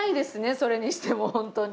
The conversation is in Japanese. それにしてもホントに